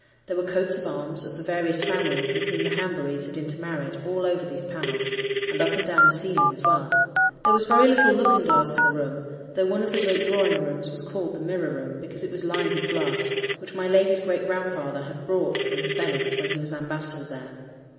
There were coats of arms, of the various families with whom the Hanburys had intermarried, all over these panels, and up and down the ceiling as well. There was very little looking glass in the room, though one of the great drawing rooms was called the "Mirror Room," because it was lined with glass, which my lady's great grandfather had brought from Venice when he was ambassador there.